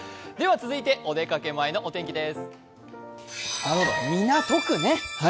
続いてお出かけ前のお天気です。